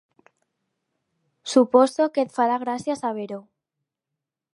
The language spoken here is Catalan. Suposo que et farà gràcia saber-ho.